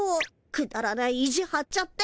くだらない意地はっちゃって。